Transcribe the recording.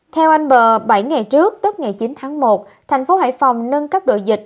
theo anh bờ bảy ngày trước tức ngày chín tháng một thành phố hải phòng nâng cấp đội dịch